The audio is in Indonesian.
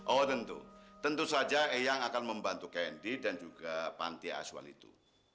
oh tentu tentu saja eang akan membantu candy dan juga panti asuan itu